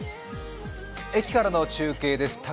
駅からの中継です。